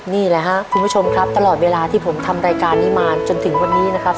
นี่แหละครับคุณผู้ชมครับตลอดเวลาที่ผมทำรายการนี้มาจนถึงวันนี้นะครับ